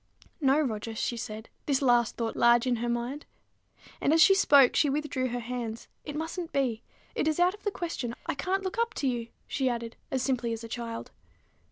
"No, Roger," she said, this last thought large in her mind; and, as she spoke, she withdrew her hands, "it mustn't be. It is out of the question: I can't look up to you," she added, as simply as a child.